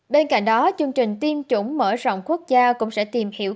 bên cạnh đó chương trình tiêm chủng mở rộng quốc gia cũng sẽ tìm hiểu